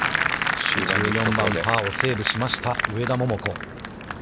１４番、１４番のパーをセーブしました、上田桃子。